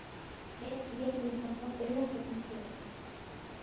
ھايات دېگەن ئىنسانغا بىرلا قېتىم كېلىدۇ.